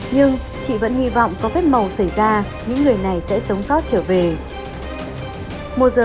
nhưng chị vẫn hy vọng có phép màu xảy ra những người này sẽ sống sót trở về